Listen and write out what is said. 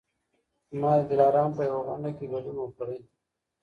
ما د دلارام په یوه غونډه کي ګډون وکړی